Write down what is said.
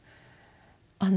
あの。